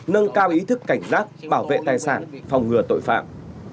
nâng cao ý thức cảnh giác bảo vệ tài sản phòng ngừa tội phạm